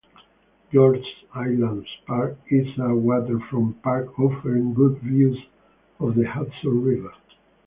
George's Island Park is a waterfront park offering good views of the Hudson River.